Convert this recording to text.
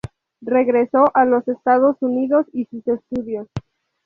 Regresó a los Estados Unidos y sus estudios.